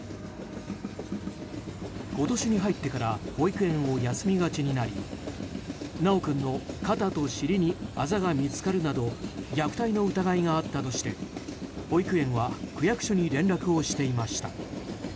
今年に入ってから保育園を休みがちになり修君の肩と尻にあざが見つかるなど虐待の疑いがあったとして保育園は区役所に連絡をしていました。